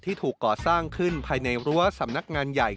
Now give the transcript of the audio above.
ถูกก่อสร้างขึ้นภายในรั้วสำนักงานใหญ่